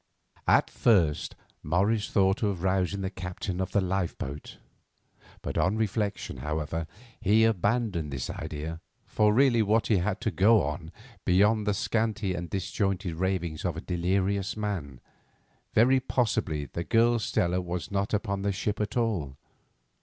At first Morris thought of rousing the captain of the lifeboat. On reflection, however, he abandoned this idea, for really what had he to go on beyond the scanty and disjointed ravings of a delirious man? Very possibly the girl Stella was not upon the ship at all.